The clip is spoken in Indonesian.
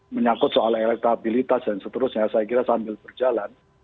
menyangkut soal elektabilitas dan seterusnya saya kira sambil berjalan